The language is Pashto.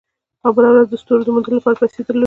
او بله ورځ یې د ستورو د موندلو لپاره پیسې درلودې